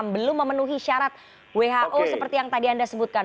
belum memenuhi syarat who seperti yang tadi anda sebutkan